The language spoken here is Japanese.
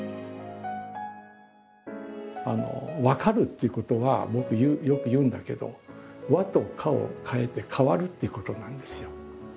「わかる」っていうことは僕よく言うんだけど「わ」と「か」をかえて「かわる」っていうことなんですよ。